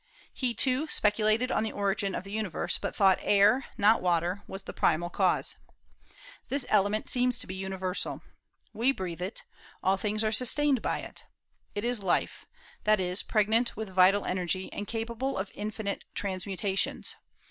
He, too, speculated on the origin of the universe, but thought that air, not water, was the primal cause. This element seems to be universal. We breathe it; all things are sustained by it. It is Life, that is, pregnant with vital energy, and capable of infinite transmutations.